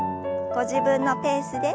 ご自分のペースで。